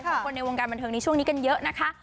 ของคนในวงการบันเทิงในช่วงนี้กันเยอะนะคะ